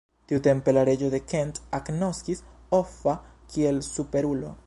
Tiutempe la reĝo de Kent agnoskis Offa kiel superulo.